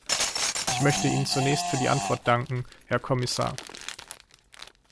Ich möchte Ihnen zunächst für die Antwort danken, Herr Kommissar.